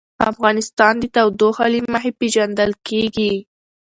افغانستان د تودوخه له مخې پېژندل کېږي.